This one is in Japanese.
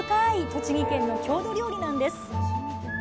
栃木県の郷土料理なんです。